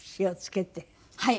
はい。